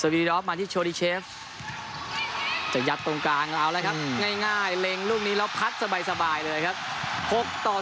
รีดอฟมาที่โชดีเชฟจะยัดตรงกลางเราแล้วครับง่ายเล็งลูกนี้แล้วพัดสบายเลยครับ๖ต่อ๑